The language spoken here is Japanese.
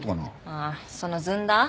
ああそのずんだ？